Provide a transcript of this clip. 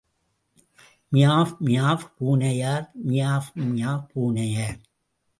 Meow மியாவ் பூனையார் மியாவ் மியாவ் பூனையார்.